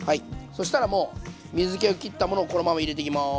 そしたらもう水けをきったものをこのまま入れていきます。